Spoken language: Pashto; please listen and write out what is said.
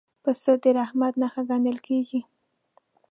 پسه د رحمت نښه ګڼل کېږي.